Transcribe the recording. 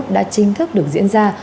đã chính thức được diễn ra